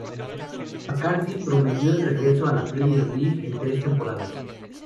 McCarthy prometió el regreso a la Premier League en tres temporadas.